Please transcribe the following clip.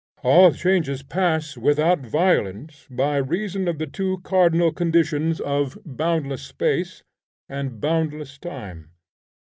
All changes pass without violence, by reason of the two cardinal conditions of boundless space and boundless time.